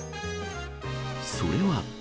それは。